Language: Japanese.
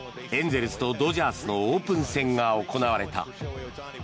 エンゼルスとドジャースのオープン戦が行われた。